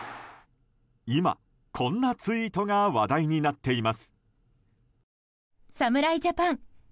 今、こんなツイートが話題になっています。